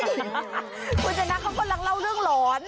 คุณชนะเขากำลังเล่าเรื่องหลอน